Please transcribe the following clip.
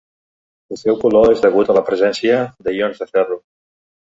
El seu color és degut a la presència de ions de ferro.